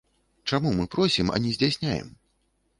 Чаму мы просім, а не здзяйсняем?